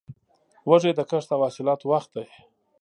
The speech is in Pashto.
وږی د کښت او حاصلاتو وخت دی.